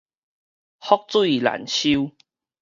覆水難收